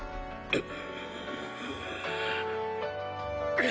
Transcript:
えっ？